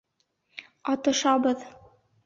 Атышабыҙ!